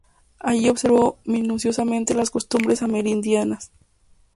Allí observó minuciosamente las costumbres amerindias.